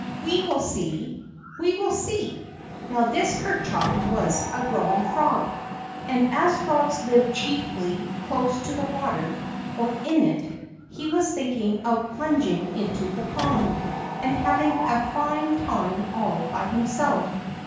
We will see, we will see !" How this Ker Chunk was a growing frog, and as frogs live chiefly close to the water, or in it, he was thinking of plunging into the pond, and having a fine time all by himself.